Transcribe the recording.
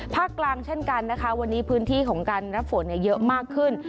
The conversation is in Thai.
กลางเช่นกันนะคะวันนี้พื้นที่ของการรับฝนเยอะมากขึ้น